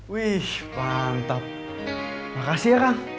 wih mantap makasih ya kak